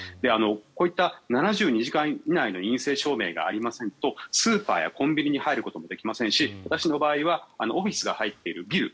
こういった７２時間以内の陰性証明がありませんとスーパーやコンビニに入ることもできませんし私の場合はオフィスが入っているビル